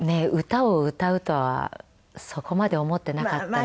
歌を歌うとはそこまで思っていなかった。